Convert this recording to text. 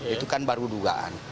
itu kan baru dugaan